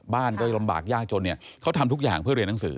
บ้านก็ลำบากยากจนเนี่ยเขาทำทุกอย่างเพื่อเรียนหนังสือ